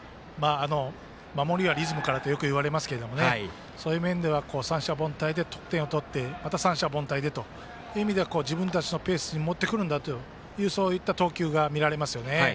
守りはリズムからとよく言われますけどそういう面では三者凡退で得点を取ってまた三者凡退でっていうのは自分たちのリズムに戻せるという投球が見られますよね。